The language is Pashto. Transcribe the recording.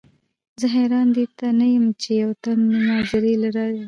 زۀ حېران دې ته يم چې يو تن مناظرې له راځي